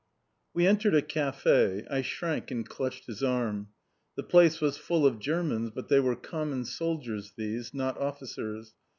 We entered a café. I shrank and clutched his arm. The place was full of Germans, but they were common soldiers these, not Officers.